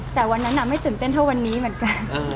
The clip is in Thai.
แต่วันนั้นไม่ตื่นเต้นเท่าวันนี้เหมือนกัน